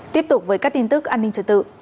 tiếp tục với các tin tức an ninh trật tự